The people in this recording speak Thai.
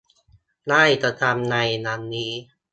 ได้กระทำในวันนี้